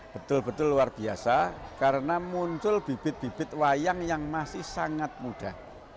betul betul luar biasa karena muncul bibit bibit wayang yang masih sangat muda